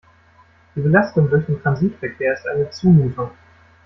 Die Belastung durch den Transitverkehr ist eine Zumutung.